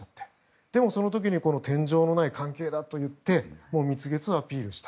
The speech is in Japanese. でもその時に天井のない関係だとアピールした。